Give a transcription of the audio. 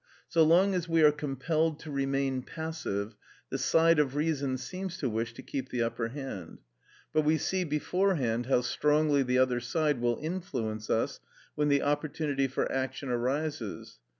So long as we are compelled to remain passive, the side of reason seems to wish to keep the upper hand; but we see beforehand how strongly the other side will influence us when the opportunity for action arises.